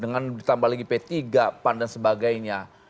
dengan ditambah lagi p tiga pan dan sebagainya